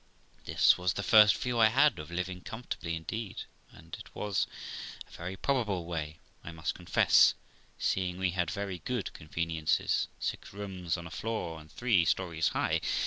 This was the first view I had of living comfortably indeed, and it was a very probable way, I must confess, seeing we had very good con veniences, six rooms on a floor, and three stories high.